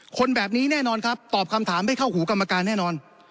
คนแบบนี้แน่นอนครับตอบคำถามได้เข้าหูกรรมการแน่นอน